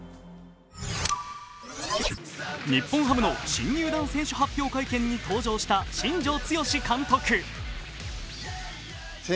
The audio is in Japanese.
日本ハムの新入団選手発表会見に登場した新庄剛志監督。